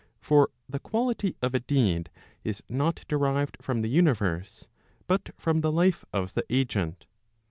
For the quality of a deed is not derived from the universe, but from the life of the agent.